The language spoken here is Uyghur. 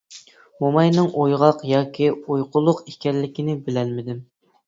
موماينىڭ ئويغاق ياكى ئۇيقۇلۇق ئىكەنلىكىنى بىلەلمىدى.